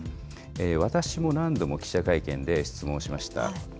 私も何度も記者会見で質問しました。